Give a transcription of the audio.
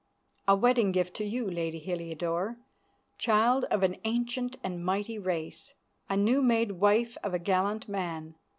"A wedding gift to you, Lady Heliodore, child of an ancient and mighty race, and new made wife of a gallant man.